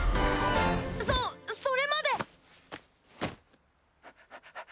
そそれまで！